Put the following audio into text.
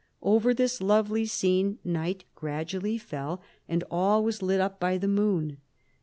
Over this lovely scene night gradually fell, and all was lit up by the moon.